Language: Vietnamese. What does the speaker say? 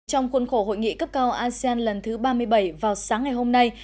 trong khuôn khổ hội nghị cấp cao asean lần thứ ba mươi bảy vào sáng ngày hôm nay